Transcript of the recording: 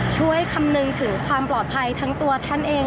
คำนึงถึงความปลอดภัยทั้งตัวท่านเอง